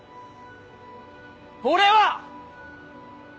俺は！